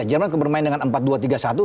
jerman bermain dengan empat dua tiga satu